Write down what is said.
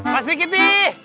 pak sri kiti